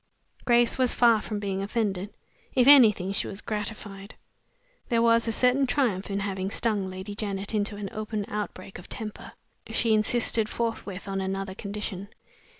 Grace was far from being offended. If anything, she was gratified there was a certain triumph in having stung Lady Janet into an open outbreak of temper. She insisted forthwith on another condition.